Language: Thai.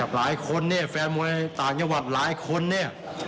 หลายคนแฟนมวยต่างยะหวันหลายคนเนี้ย